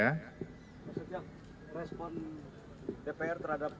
maksudnya respon dpr terhadap